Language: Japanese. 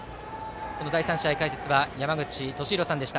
第３試合、解説は山口敏弘さんでした。